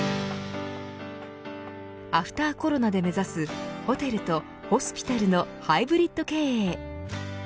アフターコロナで目指すホテルとホスピタルのハイブリッド経営。